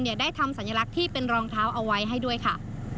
ได้ทำสัญลักษณ์ที่เป็นรองเท้าเอาไว้ให้ด้วยค่ะ